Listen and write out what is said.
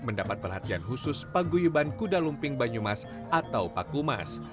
mendapat perhatian khusus paguyuban kuda lumping banyumas atau pakumas